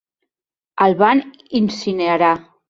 El van incinerar.